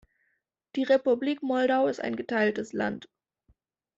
Die Republik Moldau ist ein geteiltes Land.